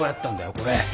これ！